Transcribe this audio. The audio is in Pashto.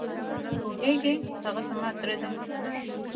پوهېږې؟ هغه زما تره دی.